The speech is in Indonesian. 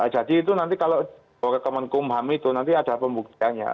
jadi itu nanti kalau dokumen kumham itu nanti ada pembuktiannya